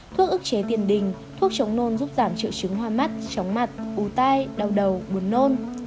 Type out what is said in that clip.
thuốc ức chế tiền đình thuốc chống nôn giúp giảm triệu chứng hoa mắt chóng mặt bù tai đau đầu buồn nôn